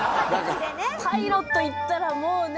パイロットいったらもうね。